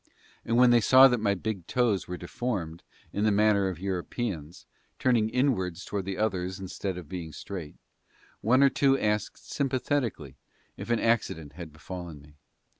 And when they saw that my big toes were deformed in the manner of Europeans, turning inwards towards the others instead of being straight, one or two asked sympathetically if an accident had befallen me.